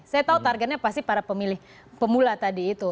saya tahu targetnya pasti para pemilih pemula tadi itu